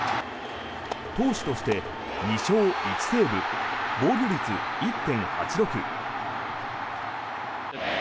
投手として２勝１セーブ防御率１．８６。